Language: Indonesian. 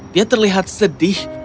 dia terlihat sedih